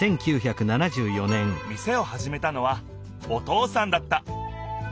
店をはじめたのはお父さんだった。